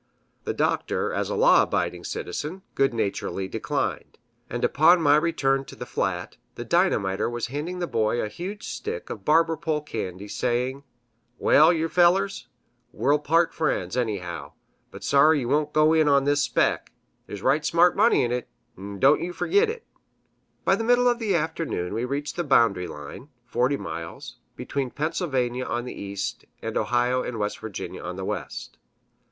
The Doctor, as a law abiding citizen, good naturedly declined; and upon my return to the flat, the Dynamiter was handing the Boy a huge stick of barber pole candy, saying, "Well, yew fellers, we'll part friends, anyhow but sorry yew won't go in on this spec'; there's right smart money in 't, 'n' don' yer fergit it!" By the middle of the afternoon we reached the boundary line (40 miles) between Pennsylvania on the east and Ohio and West Virginia on the west.